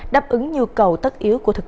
đáp ứng nhu cầu tất yếu của tổ chức